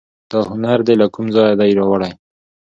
دا هنر دي له کوم ځایه دی راوړی